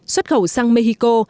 xuất khẩu sang mexico